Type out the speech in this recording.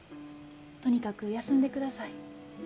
とにかく休んでください。